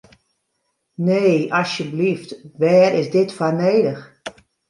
Nee, asjeblyft, wêr is dit foar nedich?